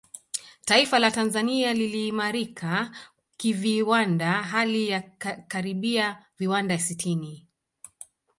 Taifa la Tanzania liliimarika kiviwanda hali ya karibia viwanda sitini